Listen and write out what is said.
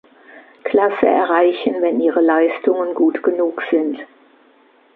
Klasse, erreichen, wenn Ihre Leistungen gut genug sind.